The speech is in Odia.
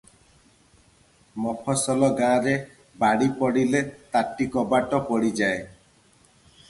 ମଫସଲ ଗାଁ’ରେ ବାଡ଼ି ପଡ଼ିଲେ ତାଟି କବାଟ ପଡ଼ିଯାଏ ।